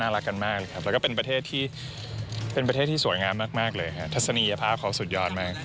แล้วก็เป็นประเทศที่เป็นประเทศที่สวยงามมากมากเลยค่ะทัศนีภาพเขาสุดยอดมาก